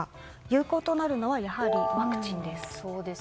有効となるのはやはりワクチンです。